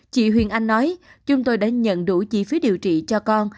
chị huyền anh nói chúng tôi đã nhận đủ chi phí điều trị cho con